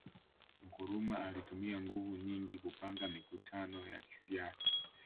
Nkrumah alitumia nguvu nyingi kupanga mikutano ya siasa